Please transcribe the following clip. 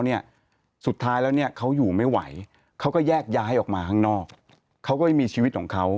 พีคเหนือพีคคือชายคนนั้นเนี่ยอ่า